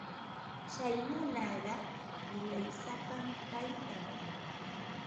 Tsay runaqa qillaysapam kaykan.